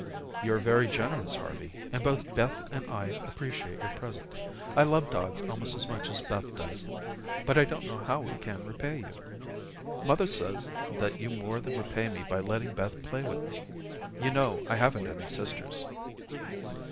"You are very generous, Harvey, and both Beth and I appreciate your present. I love dogs almost as much as Beth does, but I don't know how we can repay you." "Mother says that you more than repay me by letting Beth play with me. You know I haven't any sisters."